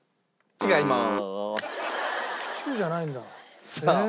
違います。